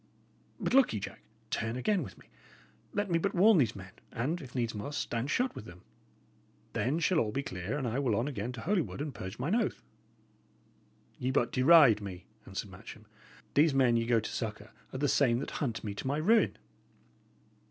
But look ye, Jack, turn again with me. Let me but warn these men, and, if needs must, stand shot with them; then shall all be clear, and I will on again to Holywood and purge mine oath." "Ye but deride me," answered Matcham. "These men ye go to succour are the I same that hunt me to my ruin."